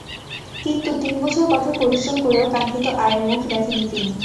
কিন্তু তিন বছর কঠোর পরিশ্রম করেও কাঙ্ক্ষিত আয়ের মুখ দেখেননি তিনি।